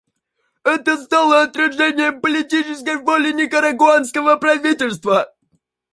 Это стало отражением политической воли никарагуанского правительства.